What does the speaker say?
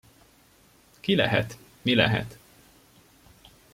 Ki lehet, mi lehet?